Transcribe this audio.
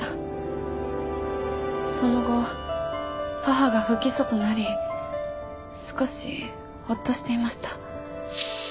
その後母が不起訴となり少しホッとしていました。